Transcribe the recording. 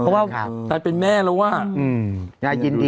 แล้วก็แซนเชนใช่มั้ย